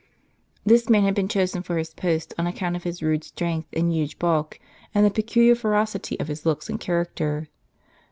This man had been chosen for his post on account of his rude strength and huge bulk, and the peculiar ferocity of his looks and character.